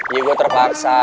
ya gua terpaksa